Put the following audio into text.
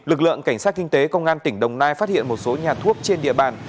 lực lượng cảnh sát kinh tế công an tỉnh đồng nai phát hiện một số nhà thuốc trên địa bàn